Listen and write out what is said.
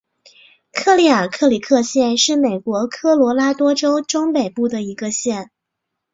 克利尔克里克县是美国科罗拉多州中北部的一个县。